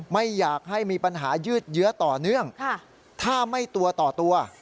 ไม่อยากให้มีปัญหายืดเยื้อต่อเนื่องถ้าไม่ตัวต่อตัว